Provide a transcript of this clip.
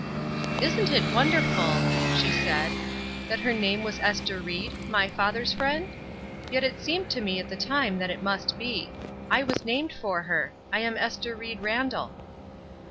"Isn't it wonderful," she said, "that her name was Ester Ried, my father's friend? Yet it seemed to me at the time that it must be. I was named for her. I am Esther Ried Ran dall."